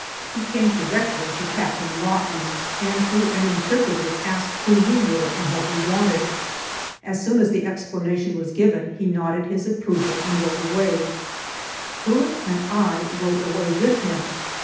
He came directly to Captain Lawton and through an interpreter asked who we were and what we wanted. As soon as the explanation was given he nodded his approval and rode away. 169 GERONIMO Prewitt and I rode away with him.